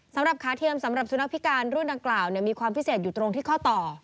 สำหรับขาเทียมสำหรับสุนัขพิการรุ่นดังกล่าวมีความพิเศษอยู่ตรงที่ข้อต่อ